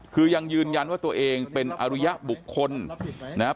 คือยังยืนยันว่าตัวเองเป็นอริยบุคคลนะครับ